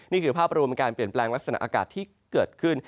นี่คือภาพรวมการเปลี่ยนแปลงลักษณะอากาศที่เกิดขึ้น